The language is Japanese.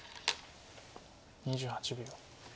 ２８秒。